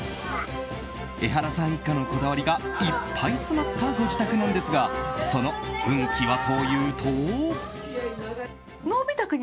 エハラさん一家のこだわりがいっぱい詰まったご自宅なんですがその運気はというと。